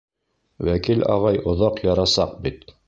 Вәкил ағай оҙаҡ ярасаҡ бит.